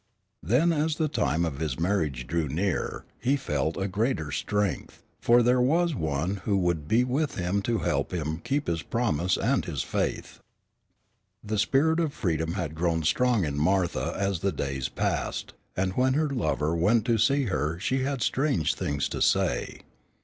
Then as the time of his marriage drew near he felt a greater strength, for there was one who would be with him to help him keep his promise and his faith. The spirit of freedom had grown strong in Martha as the days passed, and when her lover went to see her she had strange things to say.